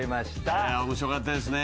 面白かったですね。